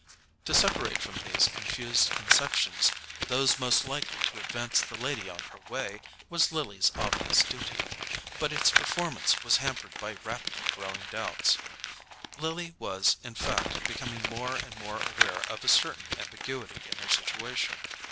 To separate from these confused conceptions those most likely to advance the lady on her way, was Lily's obvious duty; but its performance was hampered by rapidly growing doubts. Lily was in fact becoming more and more aware of a certain ambiguity in her situation.